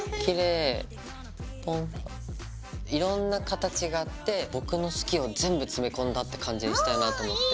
いろんな形があって僕の好きを全部詰め込んだって感じにしたいなと思って。